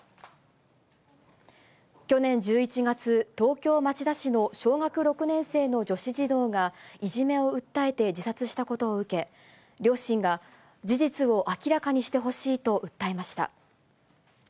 去年１１月、東京・町田市の小学６年生の女子児童が、いじめを訴えて自殺したことを受け、両親が事実を明らかにしてほしいと訴えました。